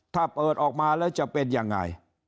ถ้าเปิดออกมาแล้วจะเป็นยังไง